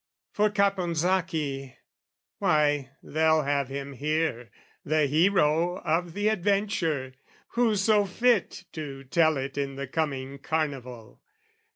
For Caponsacchi, why, they'll have him here, The hero of the adventure, who so fit To tell it in the coming Carnival?